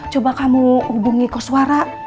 coba kamu hubungi ke suara